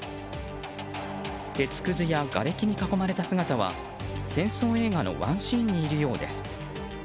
鉄くずやがれきに囲まれた姿は戦争映画のワンシーンにいるようです。